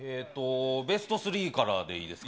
ベスト３からでいいですか。